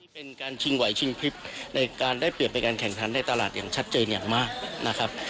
เป็นการชิงไหวชิงคลิปในการได้เปลี่ยนไปการแข่งขันในตลาดอย่างชัดเจนอย่างมากนะครับ